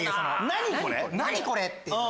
何これ⁉っていう。